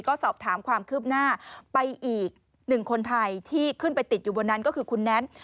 ก็สอบถามความคืบหน้าไปอีกหนึ่งคนไทยที่ขึ้นไปติดอยู่บนนั้นก็คือคุณแน็ต